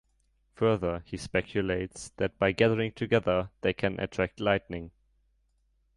Further, he speculates that by gathering together, they can attract lightning.